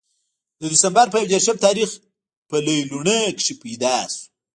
د دسمبر پۀ يو ديرشم تاريخ پۀ ليلوڼۍ کښې پېداشو